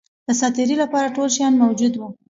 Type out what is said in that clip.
د سات تېري لپاره ټول شیان موجود وه.